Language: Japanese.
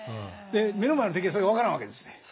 目の前の敵はそれが分からんわけですね。